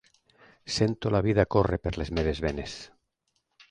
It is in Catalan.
Sento la vida córrer per les meves venes.